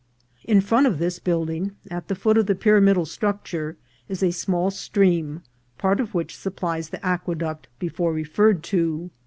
In front of tfeis building, at the foot of the pyramidal structure, is a small stream, part of which supplies the aqueduct before referred to.